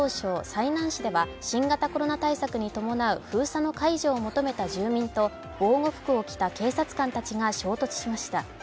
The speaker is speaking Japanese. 済南市では新型コロナ対策に伴う封鎖の解除を求めた住民と防護服を着た警察官たちが衝突しました。